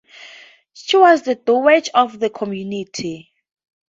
She was the dowager of the community.